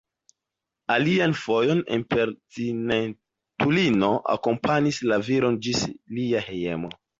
Alian fojon impertinentulino akompanis la viron ĝis lia hejmo.